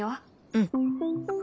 うん。